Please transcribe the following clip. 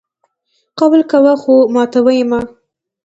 قول کوه خو ماتوه یې مه!